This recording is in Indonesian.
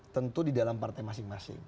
tentu di dalam partai masing masing